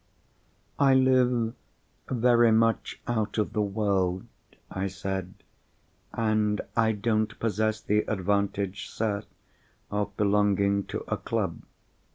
"I live very much out of the world," I said; "and I don't possess the advantage, sir, of belonging to a club.